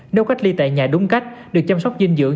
nếu cách ly tại nhà đúng cách được chăm sóc dinh dưỡng